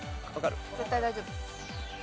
絶対大丈夫。